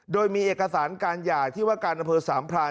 โดยมีเอกสารการหย่าที่ว่าการอำเภอสามพราน